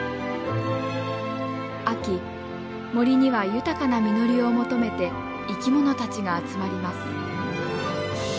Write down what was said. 秋森には豊かな実りを求めて生き物たちが集まります。